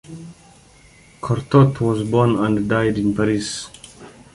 Cortot was born and died in Paris.